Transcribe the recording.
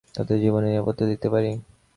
তাদের জীবনের নিরাপত্তা দিতে পারি।